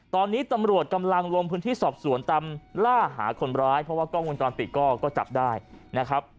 ตอนนี้ตำรวจกำลังลงพื้นที่สอบสวนตามล่าหาคนร้ายเพราะว่ากล้องวงจรปิดก็จับได้นะครับ